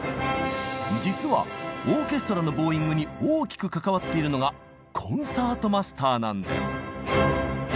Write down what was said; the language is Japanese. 実はオーケストラのボウイングに大きく関わっているのがコンサートマスターなんです。